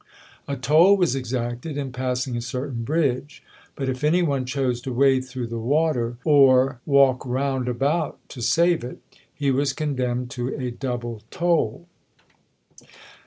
A toll was exacted in passing a certain bridge; but if any one chose to wade through the water, or walk round about to save it, he was condemned to a double toll.